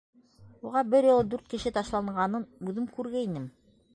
Уға бер юлы дүрт кеше ташланғанын үҙем күргәйнем.